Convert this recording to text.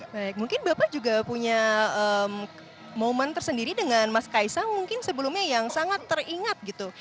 baik mungkin bapak juga punya momen tersendiri dengan mas kaisang mungkin sebelumnya yang sangat teringat gitu